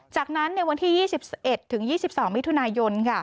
จากนั้นในวันที่๒๑๒๒มิถุนายน